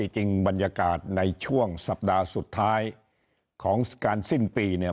จริงบรรยากาศในช่วงสัปดาห์สุดท้ายของการสิ้นปีเนี่ย